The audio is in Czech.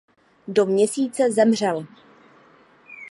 Do měsíce zemřel.